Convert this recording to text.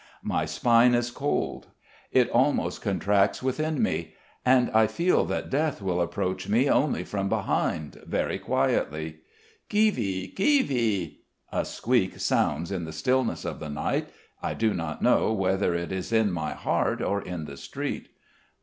My spine is cold. It almost contracts within me. And I feel that death will approach me only from behind, very quietly. "Kivi, kivi." A squeak sounds in the stillness of the night. I do not know whether it is in my heart or in the street.